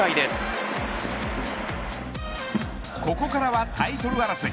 ここからはタイトル争い